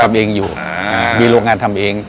ทำเนื้อเนื้ออยู่มีโรงงานทำเอง